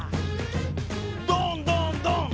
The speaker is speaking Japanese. どんどんどん！